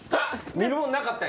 見るもんなかったんや。